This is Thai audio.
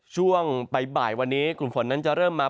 ช่วงบ่ายวันนี้กลุ่มฝนนั้นจะเริ่มมา